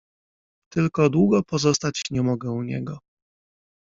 Tylko długo pozostać nie mogę u niego.